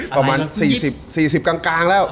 ประมาณสี่สิบกลางแล้ว